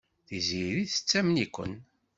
Tiziri tettamen-iken.